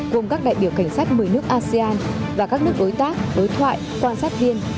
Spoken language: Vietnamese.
gồm các đại biểu cảnh sát một mươi nước asean và các nước đối tác đối thoại quan sát viên